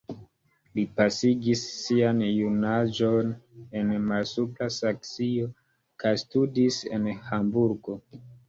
Li pasigis sian junaĝon en Malsupra Saksio kaj studis en Hamburgo.